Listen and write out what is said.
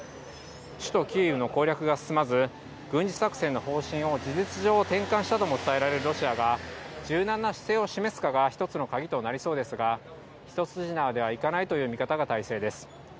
首都キーウの攻略が進まず、軍事作戦の方針を事実上、転換したとも伝えられるロシアが、柔軟な姿勢を示すかが一つの鍵となりそうですが、一筋縄ではいかないという見方が大勢です。